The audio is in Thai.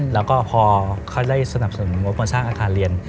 แล้วก็พอเขาได้สนับสนุนงบมาสร้างอาคารเรียน